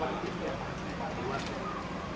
สวัสดีครับ